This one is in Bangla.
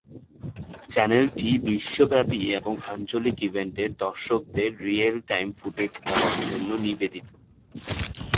চ্যানেলটি বিশ্বব্যাপী এবং আঞ্চলিক ইভেন্টের দর্শকদের রিয়েল-টাইম ফুটেজ দেওয়ার জন্য নিবেদিত।